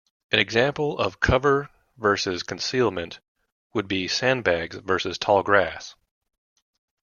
An example of "cover versus concealment" would be sandbags versus tall grass.